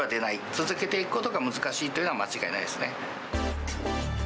続けていくことが難しいというのは間違いないですね。